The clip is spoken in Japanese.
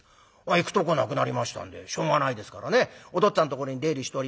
行くとこなくなりましたんでしょうがないですからねお父っつぁんところに出入りしておりました